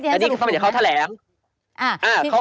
อันนี้เขาทำไมเขาแถลง